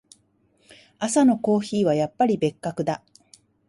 朝のコーヒーはやっぱり格別だ。